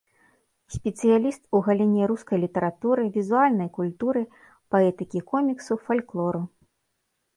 Спецыяліст у галіне рускай літаратуры, візуальнай культуры, паэтыкі коміксу, фальклору.